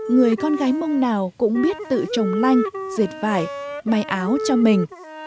người con gái mông nào cũng biết tự trồng lanh dệt vải may áo cho mình